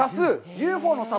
ＵＦＯの里